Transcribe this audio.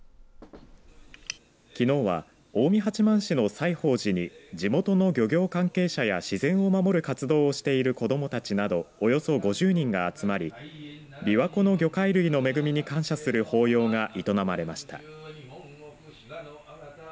きのうは近江八幡市の西方寺に地元の漁業関係者や自然を守る活動している子どもたちなどおよそ５０人が集まりびわ湖の魚介類の恵みに感謝する法要が営まれました。